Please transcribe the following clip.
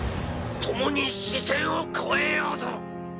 共に死線を越えようぞ！